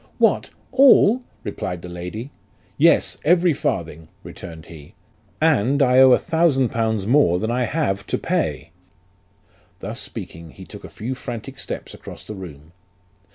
' What, all !' replied the lady. ' Yes, every farthing ;' returned he, ' and I owe a thousand pounds more than I have to pay.' Thus speaking, he took a few frantic steps across the room.